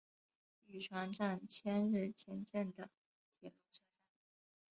玉川站千日前线的铁路车站。